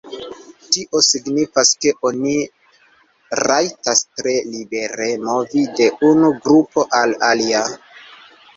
Tio signifas ke oni rajtas tre libere movi de unu grupo al alia.